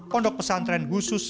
pondok pesantren khusus